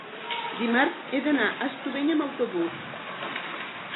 Dimarts he d'anar a Estubeny amb autobús.